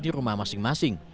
di rumah masing masing